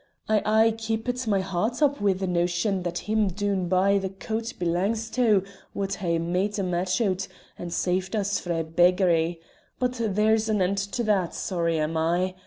I aye keepit my he'rt up wi' the notion that him doon bye the coat belangs to wad hae made a match o't, and saved us a' frae beggary. But there's an end o' that, sorry am I.